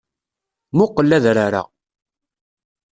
Muqel adrar-a.